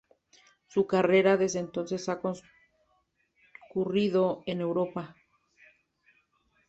Su carrera, desde entonces, ha transcurrido en Europa.